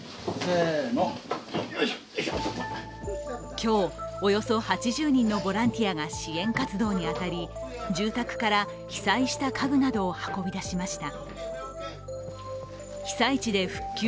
今日、およそ８０人のボランティアが支援活動に当たり住宅から被災した家具などを運び出しました。